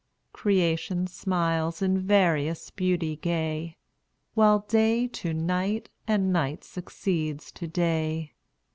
Creation smiles in various beauty gay, While day to night, and night succeeds to day.